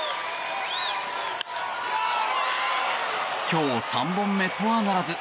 今日３本目とはならず。